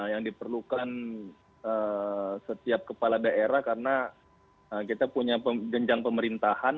yang diperlukan setiap kepala daerah karena kita punya jenjang pemerintahan